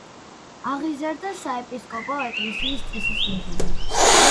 აღიზარდა საეპისკოპოსო ეკლესიის წესის მიხედვით.